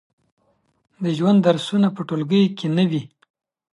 د ژوند درسونه په ټولګیو کې نه وي.